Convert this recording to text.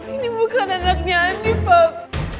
ini bukan anaknya nih pak